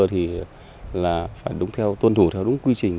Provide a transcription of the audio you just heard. thì là phải đúng theo tuân thủ theo đúng quy trình